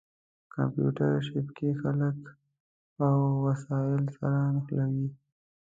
کمپیوټر شبکې خلک او وسایل سره نښلوي.